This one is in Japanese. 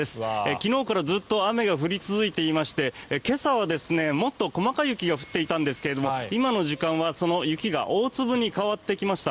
昨日からずっと雨が降り続いていまして今朝はもっと細かい雪が降っていたんですが今の時間はその雪が大粒に変わってきました。